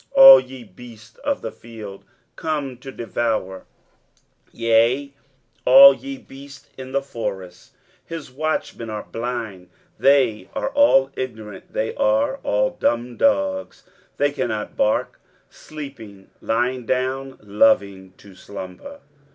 23:056:009 All ye beasts of the field, come to devour, yea, all ye beasts in the forest. 23:056:010 His watchmen are blind: they are all ignorant, they are all dumb dogs, they cannot bark; sleeping, lying down, loving to slumber.